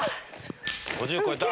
５０超えた。